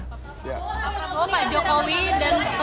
pak prabowo pak jokowi dan ketua mk mas gibran digugat ke kpk